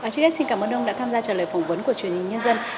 chị ad xin cảm ơn ông đã tham gia trả lời phỏng vấn của truyền hình nhân dân